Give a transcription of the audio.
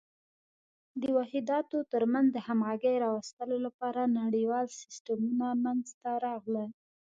د واحداتو تر منځ د همغږۍ راوستلو لپاره نړیوال سیسټمونه منځته راغلل.